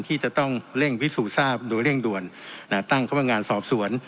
ที่จะต้องเร่งวิสุทธิ์ทราบโดยเร่งด่วนตั้งก็เป็นงานสอบส่วน